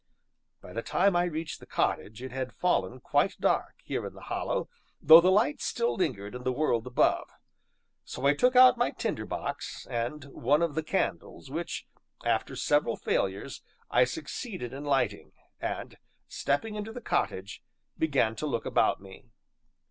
By the time I reached the cottage, it had fallen quite dark, here in the Hollow, though the light still lingered in the world above. So I took out my tinder box, and one of the candles, which, after several failures, I succeeded in lighting, and, stepping into the cottage, began to look about me.